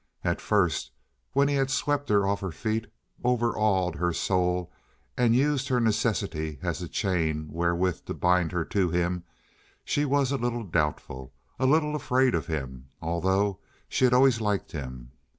At first when he had swept her off her feet, overawed her soul, and used her necessity as a chain wherewith to bind her to him, she was a little doubtful, a little afraid of him, although she had always liked him.